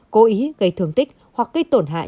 cố ý gây thương tích hoặc gây tổn hại